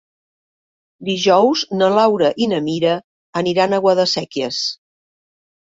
Dijous na Laura i na Mira aniran a Guadasséquies.